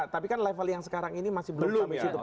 tapi kan level yang sekarang ini masih belum sampai situ pak